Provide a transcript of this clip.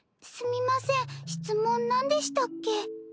すみません質問なんでしたっけ？